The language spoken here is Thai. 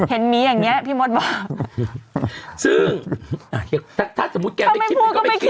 เห็นหมีอย่างเงี้ยพี่มดบอกซึ่งถ้าถ้าสมมุติแกไม่คิดมันก็ไม่คิด